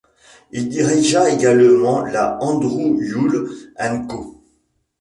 Il dirigea également la Andrew Yule and Co.